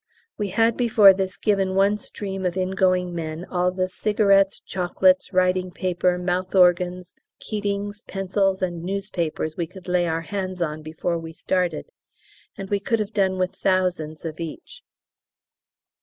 We had before this given one stream of ingoing men all the cigarettes, chocolates, writing paper, mouth organs, Keating's, pencils, and newspapers we could lay hands on before we started, and we could have done with thousands of each.